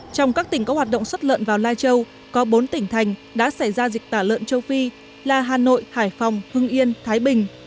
trong các tỉnh có hoạt động xuất lợn vào lai châu có bốn tỉnh thành đã xảy ra dịch tả lợn châu phi là hà nội hải phòng hưng yên thái bình